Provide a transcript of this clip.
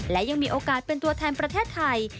และยังมีโอกาสเป็นตัวแทนประเทศไทย